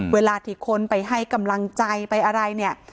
เวลาที่คนไปให้กำลังใจไปอะไรเนี่ย